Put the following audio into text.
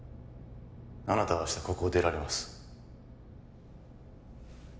あなたは明日ここを出られます